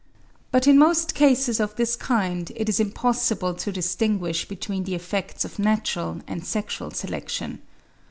But in most cases of this kind it is impossible to distinguish between the effects of natural and sexual selection.